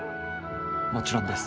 もちろんです。